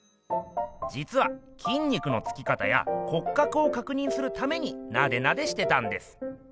じつはきん肉のつき方や骨格をかくにんするためになでなでしてたんです。